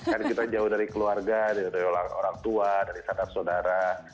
kan kita jauh dari keluarga dari orang tua dari saudara